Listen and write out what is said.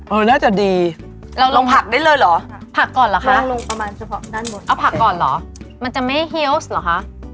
เออน่าจะดีลงผักได้เลยเหรอผักก่อนเหรอคะเอาผักก่อนเหรอมันจะไม่ให้เฮียวส์เหรอคะ